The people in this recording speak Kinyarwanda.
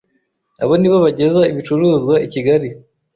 abo nibo bageza ibicuruzwa i Kigali